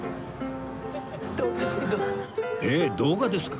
えっ動画ですか？